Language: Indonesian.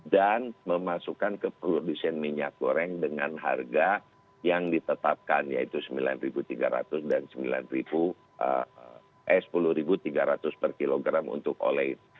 dan memasukkan ke produksi minyak goreng dengan harga yang ditetapkan yaitu sembilan tiga ratus dan sepuluh tiga ratus per kilogram untuk oleh